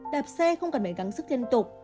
đạp xe không cần phải gắn sức liên tục